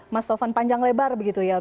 mas tovan panjang lebar begitu ya